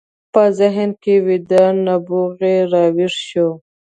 په ذهن کې ويده نبوغ يې را ويښ شو.